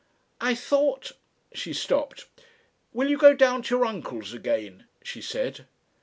"I thought " She stopped. "Will you go down to your uncle's again?" she said.